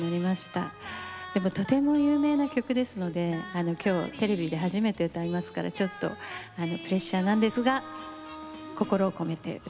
でもとても有名な曲ですので今日テレビで初めて歌いますからちょっとプレッシャーなんですが心を込めて歌いたいと思います。